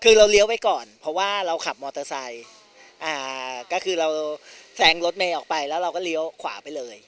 คือเราเลี้ยวไปก่อนเพราะว่าเราขับมอเตอร์ไซค์ก็คือเราแซงรถเมย์ออกไปแล้วเราก็เลี้ยวขวาไปเลย